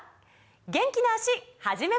元気な脚始めましょう！